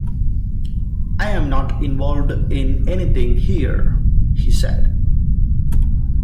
"I am not involved in anything here," he said.